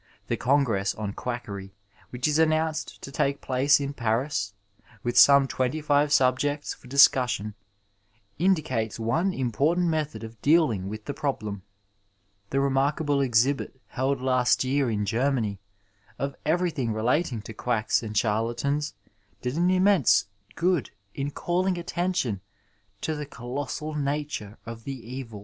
The congress on quackery which is announced to take place in Paris, with some twenty five subjects for discussion, indicates one important method of dealing with the problem. The remarkable exhibit held last year in Germany of everything relating to quacks and charlatans did an immense good in calling attention to the colossal nature of the evU.